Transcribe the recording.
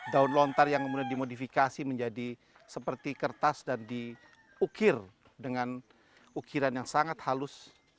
daun lontar yang kemudian dimodifikasi menjadi seperti kertas dan diukir dengan ukiran yang sangat halus